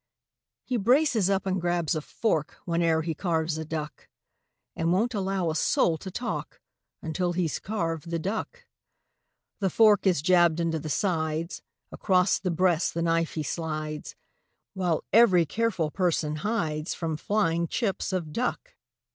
He braces up and grabs a fork Whene'er he carves a duck And won't allow a soul to talk Until he's carved the duck. The fork is jabbed into the sides Across the breast the knife he slides While every careful person hides From flying chips of duck.